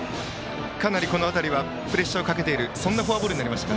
かなりこの辺りプレッシャーをかけているフォアボールになりましたか。